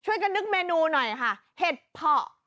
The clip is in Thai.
จะนึกเมนูหน่อยค่ะเห็ดเพาะ